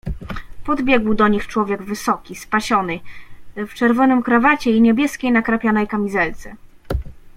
"Podbiegł do nich człowiek wysoki, spasiony w czerwonym krawacie i niebieskiej nakrapianej kamizelce."